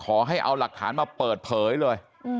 ขอให้เอาหลักฐานมาเปิดเผยเลย